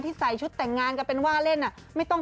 ใส่ชุดแต่งงานกันเป็นว่าเล่น